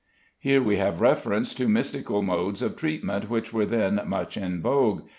Here we have reference to mystical modes of treatment which were then much in vogue.